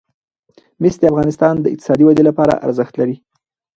مس د افغانستان د اقتصادي ودې لپاره ارزښت لري.